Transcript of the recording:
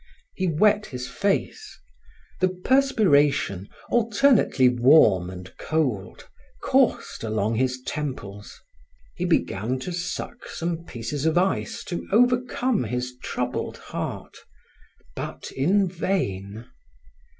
He wet his face; the perspiration, alternately warm and cold, coursed along his temples. He began to suck some pieces of ice to overcome his troubled heart but in vain.